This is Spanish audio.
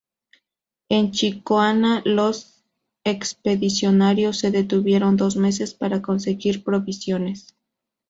En Chicoana los expedicionarios se detuvieron dos meses para conseguir provisiones.